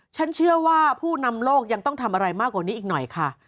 ฉันเชื่อว่าผู้นำโลกยังต้องทำอะไรมากกว่านี้อีกหน่อยค่ะ